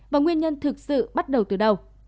và nguyên nhân thực sự bắt đầu từ đâu